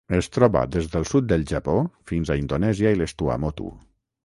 Es troba des del sud del Japó fins a Indonèsia i les Tuamotu.